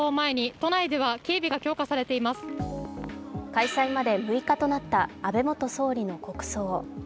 開催まで６日となった安倍元総理の国葬。